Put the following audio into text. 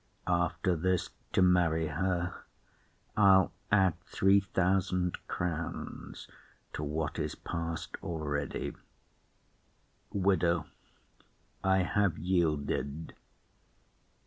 After, To marry her, I'll add three thousand crowns To what is pass'd already. WIDOW. I have yielded.